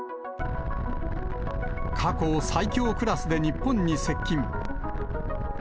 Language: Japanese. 過去最強クラスで日本に接近。